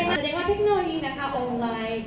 แสดงว่าเทคโนโลยีนะคะออนไลน์